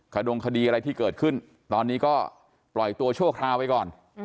ดงคดีอะไรที่เกิดขึ้นตอนนี้ก็ปล่อยตัวชั่วคราวไปก่อน